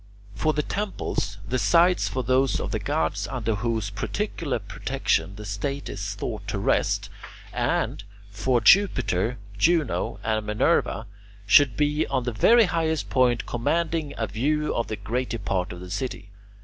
For the temples, the sites for those of the gods under whose particular protection the state is thought to rest and for Jupiter, Juno, and Minerva, should be on the very highest point commanding a view of the greater part of the city.